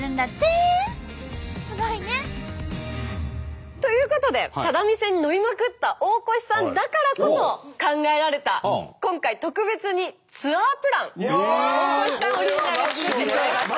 すごいね！ということで只見線に乗りまくった大越さんだからこそ考えられた今回特別にツアープラン大越さんオリジナル作ってもらいました。